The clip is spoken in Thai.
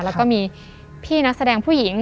แล้วก็มีพี่นักแสดงผู้หญิง